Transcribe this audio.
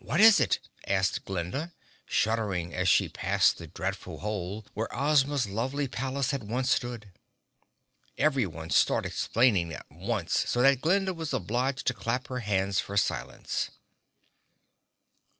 "What is it?" asked Glinda, shuddering as she passed the dreadful hole where Ozma's lovely palace had once stood. Everyone started explaining at once so that Glinda was obliged to clap her hands for silence.